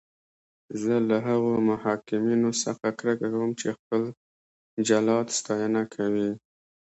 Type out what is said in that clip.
زه له هغو محکومینو څخه کرکه کوم چې خپل جلاد ستاینه کوي.